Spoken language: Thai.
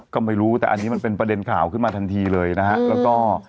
ก็ไม่รู้แต่อันนี้มันเป็นประเด็นข่าวขึ้นมาทันทีเลยนะฮะแล้วก็